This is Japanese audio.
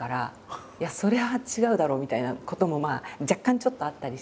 「いやそれは違うだろ」みたいなこともまあ若干ちょっとあったりして。